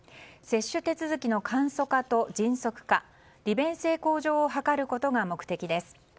接種手続きの簡素化と迅速化利便性向上を図ることが目的です。